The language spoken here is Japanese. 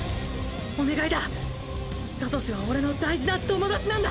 お願いだサトシは俺の大事な友達なんだ！